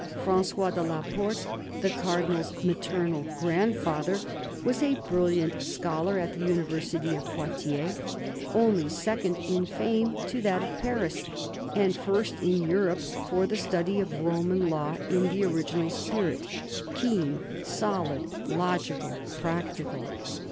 Francois de la Porte, the Cardinal's maternal grandfather, was a brilliant scholar at the University of Poitiers, only second in fame to that of Paris, and first in Europe for the study of Roman law in the original spirit ; keen, solid, logical, practical.